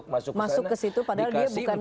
masuk ke situ padahal dia bukan